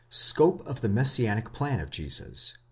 SCOPE OF THE MESSIANIC PLAN OF JESUS.